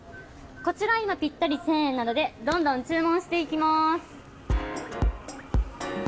こちら、今ぴったり１０００円なのでどんどん注文していきます。